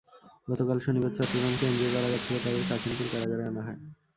গতকাল শনিবার চট্টগ্রাম কেন্দ্রীয় কারাগার থেকে তাঁদের কাশিমপুর কারাগারে আনা হয়।